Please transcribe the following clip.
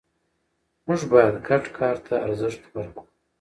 موږ باید ګډ کار ته ارزښت ورکړو